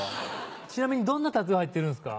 ちなみにどんなタトゥー入ってるんですか？